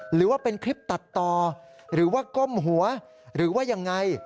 หรือว่าเป็นคลิปตัดต่อหรือว่าก้มหัวหรือว่ายังไง